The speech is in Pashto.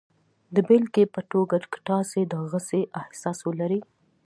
د بېلګې په توګه که تاسې د غسې احساس ولرئ